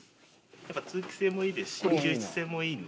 やっぱ通気性もいいですし吸湿性もいいので。